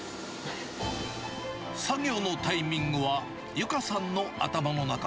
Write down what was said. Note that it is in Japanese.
作業のタイミングは、結花さんの頭の中。